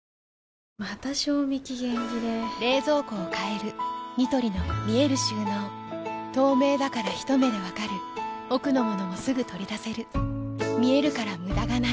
また賞味期限切れ冷蔵庫を変えるニトリの見える収納透明だからひと目で分かる奥の物もすぐ取り出せる見えるから無駄がないよし。